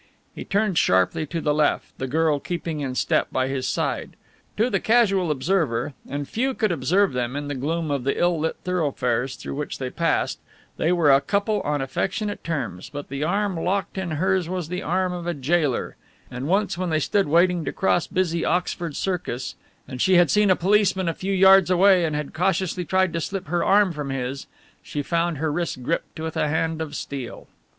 He turned sharply to the left, the girl keeping in step by his side. To the casual observer, and few could observe them in the gloom of the ill lit thoroughfares through which they passed, they were a couple on affectionate terms, but the arm locked in hers was the arm of a gaoler, and once when they stood waiting to cross busy Oxford Circus, and she had seen a policeman a few yards away and had cautiously tried to slip her arm from his, she found her wrist gripped with a hand of steel.